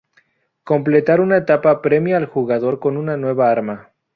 Completar una etapa premia al jugador con una nueva arma.